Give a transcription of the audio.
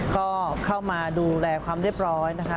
ก็เข้ามาดูแลความเรียบร้อยนะคะ